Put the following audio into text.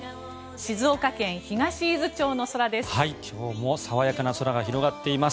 静岡県東伊豆町の空です。